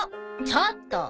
ちょっと！